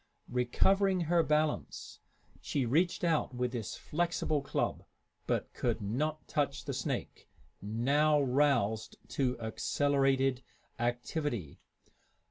Recovering her balance, she reached out with this flexible club, but could not touch the snake, now roused to accelerated activity.